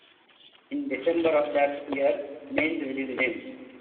In December of that year, Mainz released him.